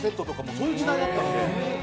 そういう時代だったので。